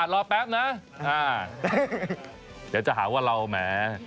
เดี๋ยวจะหาว่าเราแหม